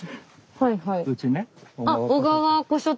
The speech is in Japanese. はいはい。